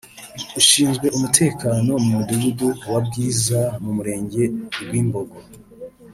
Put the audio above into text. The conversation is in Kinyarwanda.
ushinzwe umutekano mu Mudugudu wa Bwiza mu Murenge Rwimbogo